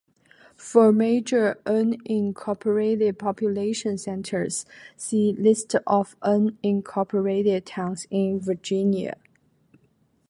For major unincorporated population centers, see List of unincorporated towns in Virginia.